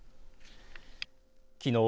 きのう